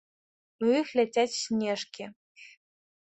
У іх ляцяць снежкі.